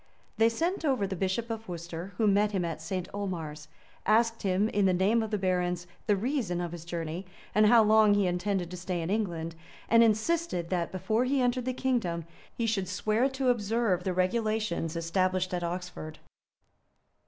[] They sent over the bishop of Worcester, who met him at St. Omars; asked him, in the name of the barons, the reason of his journey, and how long he intended to stay in England; and insisted that, before he entered the kingdom he should swear to observe the regulations established at Oxford.